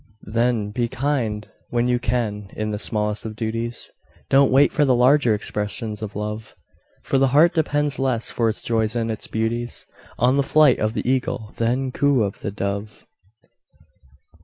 Then be kind when you can in the smallest of duties, Don't wait for the larger expressions of Love; For the heart depends less for its joys and its beauties On the flight of the Eagle than coo of the Dove.